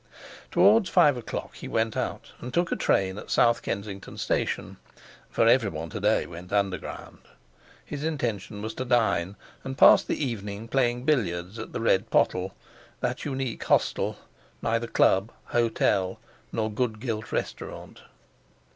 Towards five o'clock he went out, and took train at South Kensington Station (for everyone to day went Underground). His intention was to dine, and pass the evening playing billiards at the Red Pottle—that unique hostel, neither club, hotel, nor good gilt restaurant.